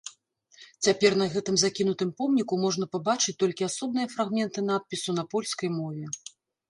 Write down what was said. Цяпер на гэтым закінутым помніку можна пабачыць толькі асобныя фрагменты надпісу на польскай мове.